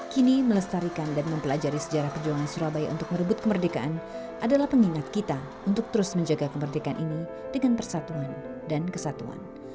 kini melestarikan dan mempelajari sejarah perjuangan surabaya untuk merebut kemerdekaan adalah pengingat kita untuk terus menjaga kemerdekaan ini dengan persatuan dan kesatuan